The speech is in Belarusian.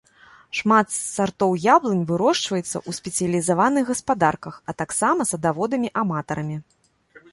Шмат сартоў яблынь вырошчваецца ў спецыялізаваных гаспадарках, а таксама садаводамі-аматарамі.